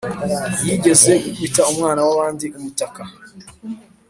Yigeze gukubita umwana wabandi umutaka